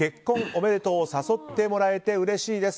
おめでとう誘ってもらえてうれしいです。